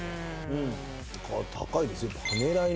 高いですよ。